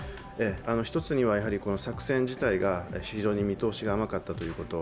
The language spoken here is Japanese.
１つには作戦自体が非常に見通しが甘かったということ。